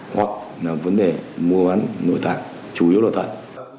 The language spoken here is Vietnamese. hoặc là vấn đề mua bán nội tạng chủ yếu là tại